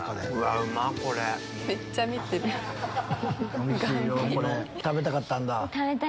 これ食べたかったんだ？